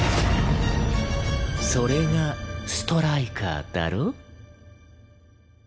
それがストライカーだろ？